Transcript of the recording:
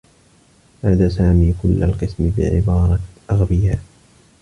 نادى سامي كلّ القسم بعبارة "أغبياء."